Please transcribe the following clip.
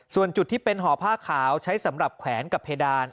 ส่วนจุดที่เป็นห่อผ้าขาวใช้สำหรับแขวนกับเพดาน